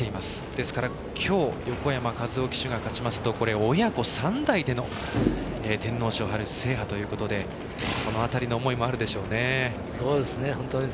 ですから、きょう横山ジョッキーが勝ちますと親子３代での天皇賞制覇ということでその辺りの思いもあるでしょうね。